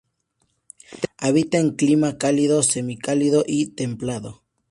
Habita en clima cálido, semicálido y templado.